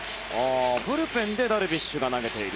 ブルペンでダルビッシュが投げている。